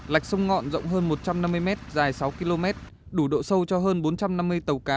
lạch sông ngọn rộng hơn một trăm năm mươi m dài sáu km đủ độ sâu cho hơn bốn trăm năm mươi tàu cá